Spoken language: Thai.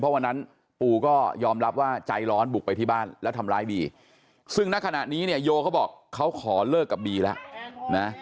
วันนั้นปูก็ยอมรับว่าใจร้อนบุกไปที่บ้านแล้วทำร้ายบีซึ่งณขณะนี้เนี่ยโยเขาบอกเขาขอเลิกกับบีแล้วนะ